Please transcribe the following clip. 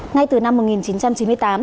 ngay từ năm một nghìn chín trăm chín mươi tám